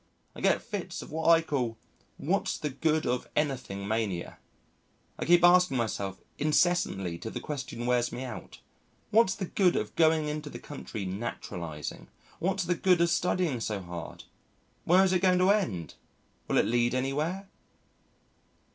I get fits of what I call "What's the good of anything" mania. I keep asking myself incessantly till the question wears me out: "What's the good of going into the country naturalising? what's the good of studying so hard? where is it going to end? will it lead anywhere?"